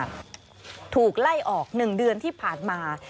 ถูกไล่ออก๑เดือนที่ผ่านมา